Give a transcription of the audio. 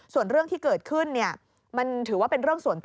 ส่วนเรื่องที่เกิดขึ้นมันถือว่าเป็นเรื่องส่วนตัว